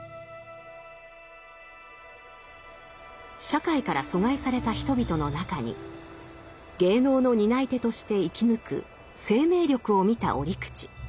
社会から疎外された人々の中に芸能の担い手として生き抜く生命力を見た折口。